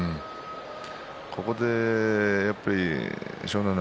ここで、やっぱり湘南乃